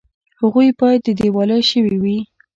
هغوی باید دیوالیه شوي وي